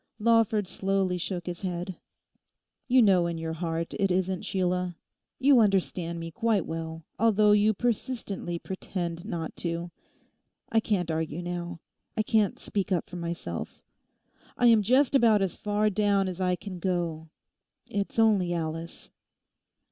Lawford slowly shook his head. 'You know in your heart it isn't, Sheila; you understand me quite well, although you persistently pretend not to. I can't argue now. I can't speak up for myself. I am just about as far down as I can go. It's only Alice.